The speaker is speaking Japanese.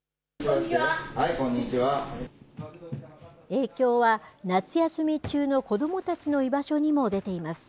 影響は、夏休み中の子どもたちの居場所にも出ています。